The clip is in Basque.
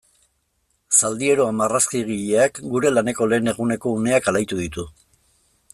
Zaldieroa marrazkigileak gure laneko lehen eguneko uneak alaitu ditu.